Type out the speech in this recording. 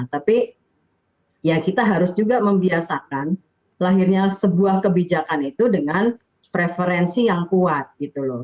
tapi ya kita harus juga membiasakan lahirnya sebuah kebijakan itu dengan preferensi yang kuat gitu loh